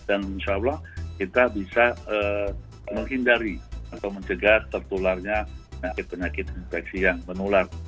dan insya allah kita bisa menghindari atau mencegah tertularnya penyakit penyakit infeksi yang menular